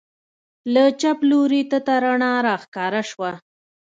له چپ لوري تته رڼا راښکاره سوه.